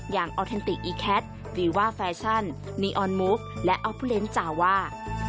อย่างออร์เทนติกอีแคทวีว่าแฟชั่นนีออนมูฟและออปพุเรนต์จาวา